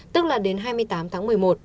tức là đến hai mươi tám tháng một mươi một